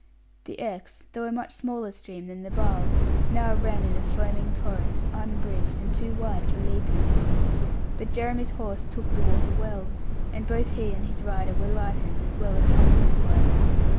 The Exe, though a much smaller stream than the Barle, now ran in a foaming torrent, unbridged, and too wide for leaping. But Jeremy's horse took the water well; and both he and his rider were lightened, as well as comforted by it.